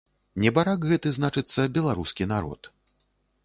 Небарак гэты, значыцца, беларускі народ.